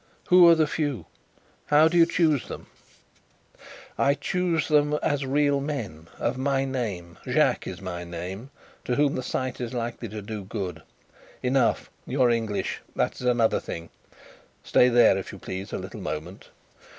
"Who are the few? How do you choose them?" "I choose them as real men, of my name Jacques is my name to whom the sight is likely to do good. Enough; you are English; that is another thing. Stay there, if you please, a little moment."